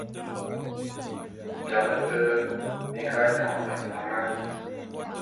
Jame te bi nga nyon ntangan.